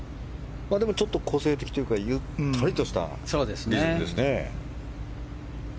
ちょっと個性的というかゆったりとしたリズムですね。